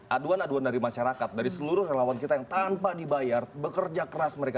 aduan aduan dari masyarakat dari seluruh relawan kita yang tanpa dibayar bekerja keras mereka